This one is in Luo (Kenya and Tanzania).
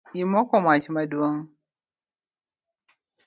Imoko mach maduong